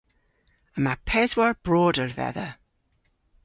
Yma peswar broder dhedha.